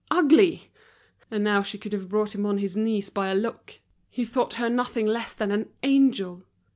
Ugly! and now she could have brought him on his knees by a look, he thought her nothing less than an angel!